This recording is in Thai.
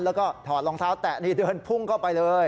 แล้วก็ถอดรองเท้าแตะนี่เดินพุ่งเข้าไปเลย